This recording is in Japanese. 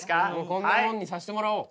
こんなもんにさせてもらおう。